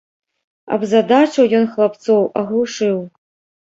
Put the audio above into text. Абзадачыў ён хлапцоў, аглушыў.